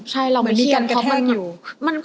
ใช่เราเป็นเพลง